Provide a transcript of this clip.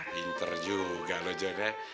pinter juga loh jonny